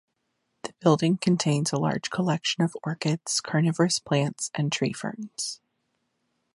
The building contains a large collection of orchids, carnivorous plants and tree ferns.